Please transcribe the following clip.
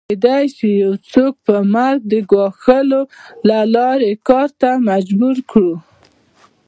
کېدای شي یو څوک په مرګ د ګواښلو له لارې کار ته مجبور کړو